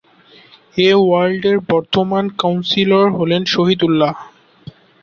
এ ওয়ার্ডের বর্তমান কাউন্সিলর হলেন শহীদ উল্লাহ।